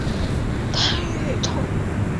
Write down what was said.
潘雨桐。